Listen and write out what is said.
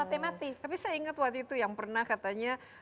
matematis tapi saya ingat waktu itu yang pernah katanya